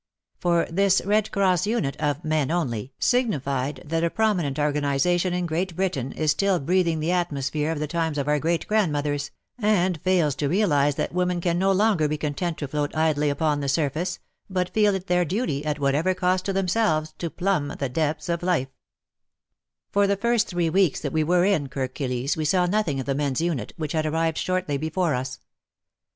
For this Red Cross unit of men only signified that a prominent organization in Great Britain is still breathing the atmosphere of the times of our great grandmothers, and fails to realize that women can no longer be content to float idly upon the surface, but feel it their duty, at whatever cost to themselves, to plumb the depths of life. 12 17^ WAR AND WOMEN For the first three weeks that we were In Kirk Kilisse we saw nothing of the men's unit, which had arrived shortly before us.